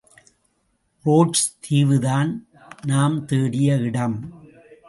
Roads தீவுதான் நாம் தேடிய இடம்.